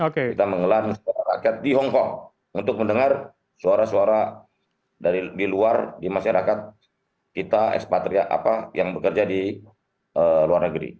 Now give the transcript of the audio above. kita mengelar suara rakyat di hongkong untuk mendengar suara suara di luar di masyarakat kita ekspatriat apa yang bekerja di luar negeri